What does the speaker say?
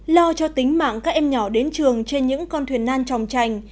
lo cho tính mạng các em nhỏ đến trường trên những con thuyền nan tròng trành